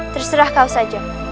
terserah kau saja